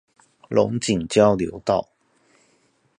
龍井交流道